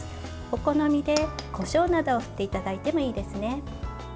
お好みで、こしょうなどを振っていただいてもいいですね。